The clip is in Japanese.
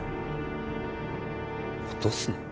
落とすな？